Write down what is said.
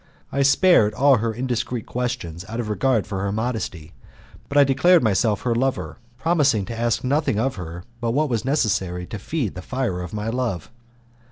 I spared her all indiscreet questions out of regard for her modesty; but I declared myself her lover, promising to ask nothing of her but what was necessary to feed the fire of my love.